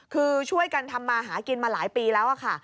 คือช่วยกันทำมาหากินมาหลายปีแล้วค่ะ